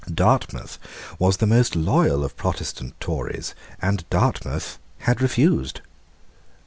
Dartmouth was the most loyal of Protestant Tories; and Dartmouth had refused.